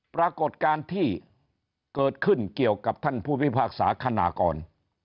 ปรากฏการณ์ที่เกิดขึ้นเกี่ยวกับท่านผู้พิพากษาคณากร